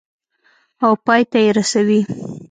او پای ته یې رسوي.